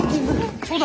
そうだ！